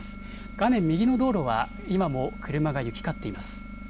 画面右の道路は今も車が行き交っています。